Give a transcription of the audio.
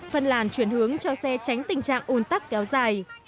phân làn chuyển hướng cho xe tránh tình trạng un tắc kéo dài